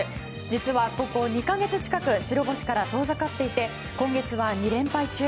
実は、ここ２か月近く白星から遠ざかっていて今月は２連敗中。